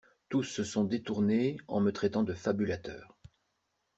Tous se sont détournés en me traitant de fabulateur.